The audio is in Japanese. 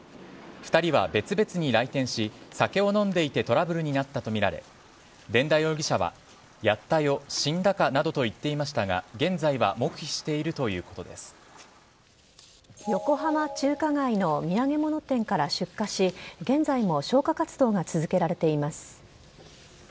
２人は別々に来店し酒を飲んでいてトラブルになったとみられ伝田容疑者はやったよ、死んだかなどと言っていましたが現在は横浜中華街の土産物店から出火し現在も消火活動が続けられています。